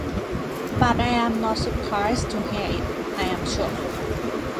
But I am not surprised to hear it, I am sure.